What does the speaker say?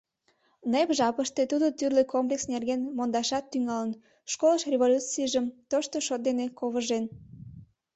Нэп жапыште тудо тӱрлӧ комплекс нерген мондашат тӱҥалын, школыш революцийжым тошто шот дене ковыжен.